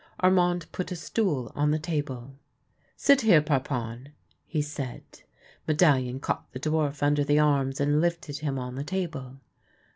Armand put a stool on the table. " Sit here, Parpon," he said. Medallion caught the dwarf under the arms and lifted him on the table.